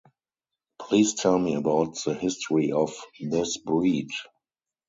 Please tell me about the history of this breed.